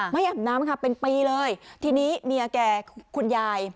อาบน้ำค่ะเป็นปีเลยทีนี้เมียแก่คุณยาย